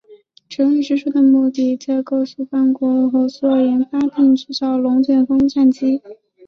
成立之初的目的是各夥伴国合作研发并制造龙卷风战机。